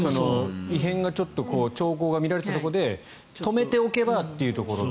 異変がちょっと兆候が見られたところで止めておけばというところが。